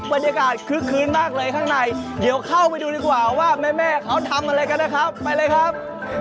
บรรยากาศคึกคืนมากเลยข้างในเดี๋ยวเข้าไปดูดีกว่าว่าแม่เขาทำอะไรกันนะครับไปเลยครับ